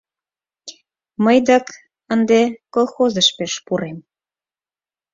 Мый дык ынде колхозыш пеш пурем.